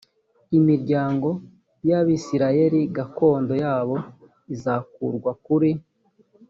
imiryango y’abisirayeli gakondo yabo izakurwa kuri